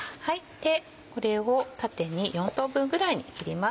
これを縦に４等分ぐらいに切ります。